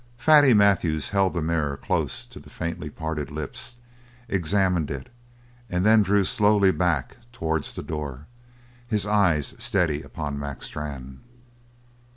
Fatty Matthews held the mirror close to the faintly parted lips, examined it, and then drew slowly back towards the door, his eyes steady upon Mac Strann.